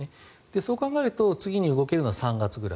そう考えると次に動けるのは３月くらい。